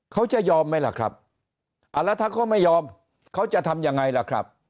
เขาจะยอมไหมล่ะครับอ่าแล้วถ้าเขาไม่ยอมเขาจะทำยังไงล่ะครับ